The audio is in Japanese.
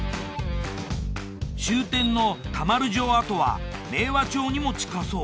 終点の田丸城跡は明和町にも近そう。